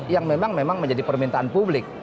yang memang menjadi permintaan publik